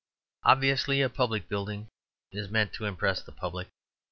Obviously, a public building is meant to impress the public.